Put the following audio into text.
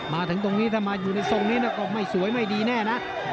มาถึงตรงนี้ถ้ามาอยู่ในทรงนี้ก็ไม่สวยไม่ดีแน่นะ